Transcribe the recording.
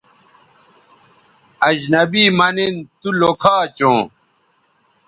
اجنبی مہ نِن تو لوکھا چوں